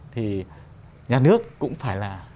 thì nhà nước cũng phải là